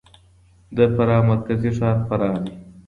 د فراه مرکزي ښار فراه دی.